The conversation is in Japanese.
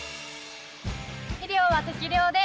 肥料は適量で。